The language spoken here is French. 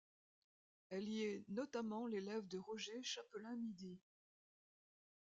Elle y est notamment l'élève de Roger Chapelain-Midy.